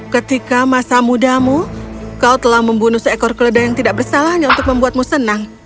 ketika masa mudamu kau telah membunuh seekor keleda yang tidak bersalah hanya untuk membuatmu senang